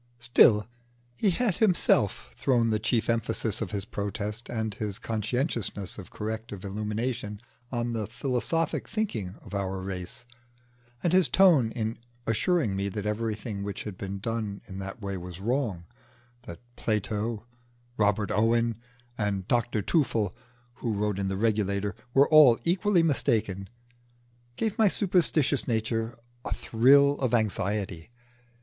Still, he had himself thrown the chief emphasis of his protest and his consciousness of corrective illumination on the philosophic thinking of our race; and his tone in assuring me that everything which had been done in that way was wrong that Plato, Robert Owen, and Dr Tuffle who wrote in the 'Regulator,' were all equally mistaken gave my superstitious nature a thrill of anxiety.